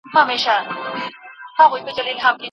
اتفاق کي لوی ځواک نغښتی دی.